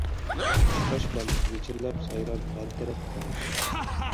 قۇشقاچ بالىسى ۋىچىرلاپ سايراپ ھەر تەرەپكە قارايتتى.